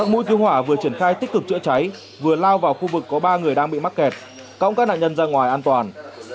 dung hỏa vừa triển khai tích cực chữa cháy vừa lao vào khu vực có ba người đang bị mắc kẹt cống các nạn nhân ra ngoài an toàn